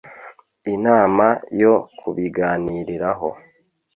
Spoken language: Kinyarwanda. Inama yo kubiganiraho